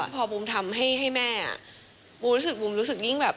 พอบุ้มทำให้แม่บุ้มรู้สึกยิ่งแบบ